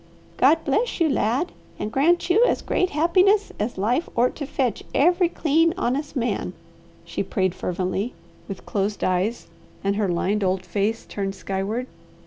"God bless you, lad, and grant you as great happiness as life ort to fetch every clean, honest man," she prayed fervently, with closed eyes and her lined old face turned skyward.